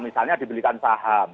misalnya dibelikan saham